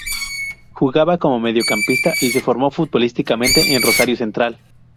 Jugaba como mediocampista y se formó futbolísticamente en Rosario Central.